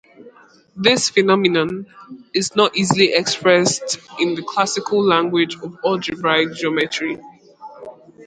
This phenomenon is not easily expressed in the classical language of algebraic geometry.